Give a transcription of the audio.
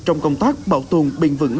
trong công tác bảo tồn bình vững